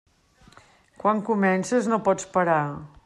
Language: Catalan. Quan comences, no pots parar.